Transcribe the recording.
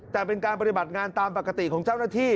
แต่เป็นการปฏิบัติงานตามปกติของเจ้าหน้าที่